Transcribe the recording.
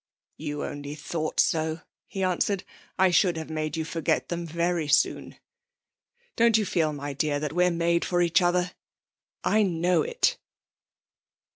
'You only thought so,' he answered. 'I should have made you forget them very soon! Don't you feel, my dear, that we're made for each other? I know it.'